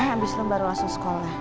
abis itu baru langsung sekolah